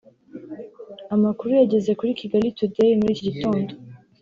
Amakuru yageze kuri Kigali Today muri iki gitondo